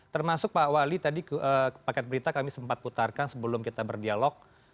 termasuk pak wali tadi paket berita kami sempat putarkan sebelum kita berdialog